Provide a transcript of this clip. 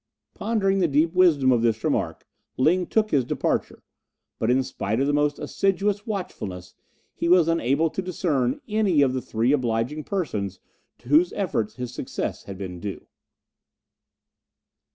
Pondering the deep wisdom of this remark, Ling took his departure; but in spite of the most assiduous watchfulness he was unable to discern any of the three obliging persons to whose efforts his success had been due.